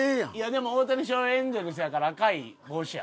でも大谷翔平エンゼルスやから赤い帽子や。